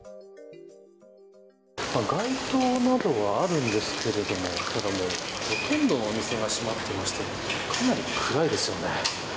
街灯などはあるんですけれどもただ、ほとんどのお店が閉まっていましてかなり暗いですよね。